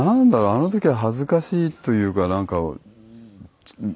あの時は恥ずかしいというかなんか。